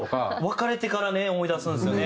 別れてから思い出すんですよね。